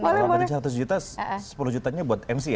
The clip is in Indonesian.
kalau dari seratus juta sepuluh jutanya buat mc ya